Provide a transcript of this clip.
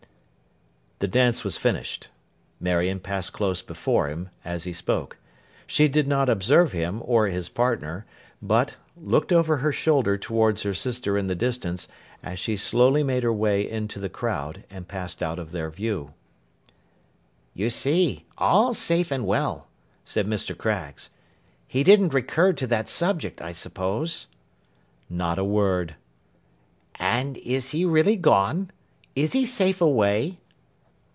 The dance was finished. Marion passed close before him, as he spoke. She did not observe him, or his partner; but, looked over her shoulder towards her sister in the distance, as she slowly made her way into the crowd, and passed out of their view. 'You see! All safe and well,' said Mr. Craggs. 'He didn't recur to that subject, I suppose?' 'Not a word.' 'And is he really gone? Is he safe away?